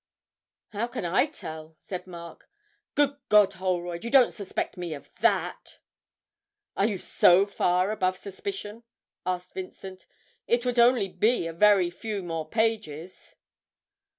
'How can I tell?' said Mark. 'Good God! Holroyd, you don't suspect me of that!' 'Are you so far above suspicion?' asked Vincent; 'it would only be a very few more pages!'